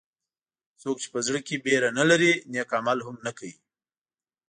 څوک چې په زړه کې وېره نه لري نیک عمل هم نه کوي.